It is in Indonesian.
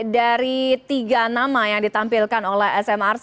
dari tiga nama yang ditampilkan oleh smrc